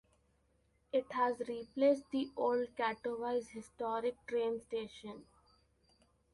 It has replaced the old Katowice historic train station.